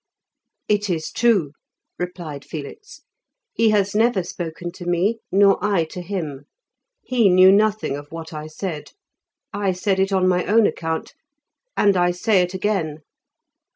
"It is true," replied Felix, "he has never spoken to me nor I to him. He knew nothing of what I said. I said it on my own account, and I say it again!"